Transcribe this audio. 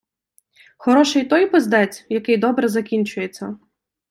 Хороший той пиздець, який добре закінчується.